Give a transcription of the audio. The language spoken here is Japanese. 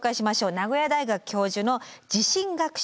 名古屋大学教授の地震学者